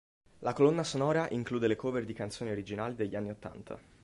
La colonna sonora include le cover di canzoni originali degli anni ottanta.